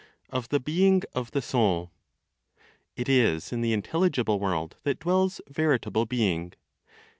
Of the Being of the Soul. It is in the intelligible world that dwells veritable being.